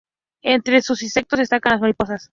Entre sus insectos destacan las mariposas.